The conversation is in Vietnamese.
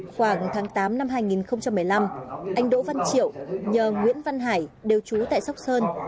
khoảng tháng tám năm hai nghìn một mươi năm anh đỗ văn triệu nhờ nguyễn văn hải đều trú tại sóc sơn